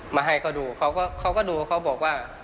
มาให้เขาดูเขาก็ดูเขาบอกว่า